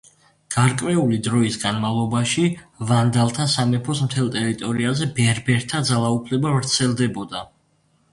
გარკვეული დროის განმავლობაში ვანდალთა სამეფოს მთელ ტერიტორიაზე ბერბერთა ძალაუფლება ვრცელდებოდა.